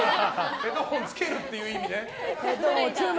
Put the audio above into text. ヘッドホンつけるって意味ね。